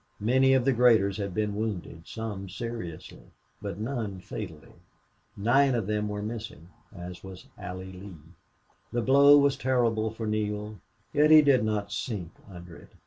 Many of the graders had been wounded, some seriously, but none fatally. Nine of them were missing, as was Allie Lee. The blow was terrible for Neale. Yet he did not sink under it.